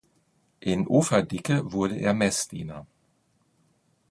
In Opherdicke wurde er Messdiener.